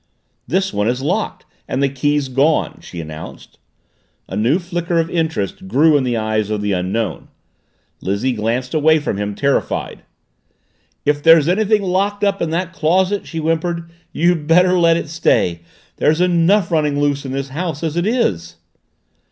"This one is locked and the key's gone," she announced. A new flicker of interest grew in the eyes of the Unknown. Lizzie glanced away from him, terrified. "If there's anything locked up in that closet," she whimpered, "you'd better let it stay! There's enough running loose in this house as it is!"